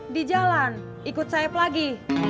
di jalan ikut sayap lagi